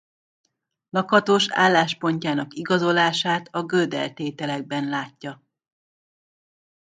Lakatos álláspontjának igazolását a Gödel-tételekben látja.